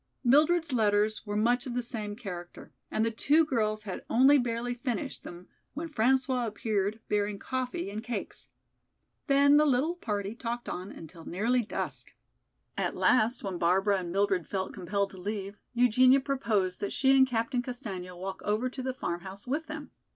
Mildred's letters were much of the same character, and the two girls had only barely finished them when François appeared bearing coffee and cakes. Then the little party talked on until nearly dusk. At last, when Barbara and Mildred felt compelled to leave, Eugenia proposed that she and Captain Castaigne walk over to the farmhouse with them.